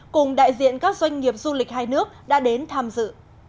cùng đại diện các doanh nghiệp du lịch hai nước đã đến tham dự